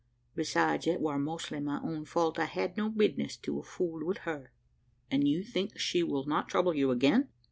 Besides it war mostly my own fault: I had no bisness to a fooled wi' her." "And you think she will not trouble you again?"